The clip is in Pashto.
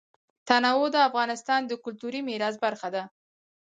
تنوع د افغانستان د کلتوري میراث برخه ده.